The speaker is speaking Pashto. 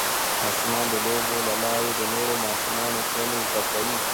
ماشومان د لوبو له لارې د نورو ماشومانو کړنې زده کوي.